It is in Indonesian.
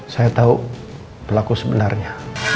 saya tahu pelaku sebenarnya